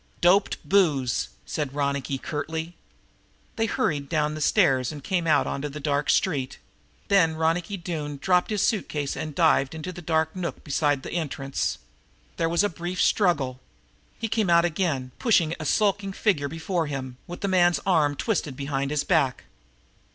"Doped booze," said Ronicky curtly. They hurried down the stairs and came out onto the dark street. There Ronicky Doone dropped his suit case and dived into a dark nook beside the entrance. There was a brief struggle. He came out again, pushing a skulking figure before him, with the man's arm twisted behind his back.